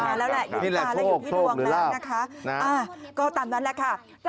กว่าพี่มนต์สิทธิ์คำสร้อยนะคะนี่ก็ปังกุฎเรียนแพ้กันนะคะ